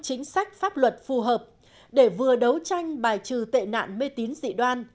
chính sách pháp luật phù hợp để vừa đấu tranh bài trừ tệ nạn mê tín dị đoan